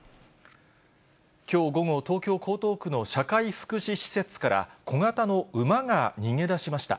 きょう午後、東京・江東区の社会福祉施設から、小型の馬が逃げ出しました。